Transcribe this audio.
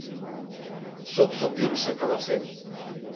— Суксо-пӱрышӧ каласен.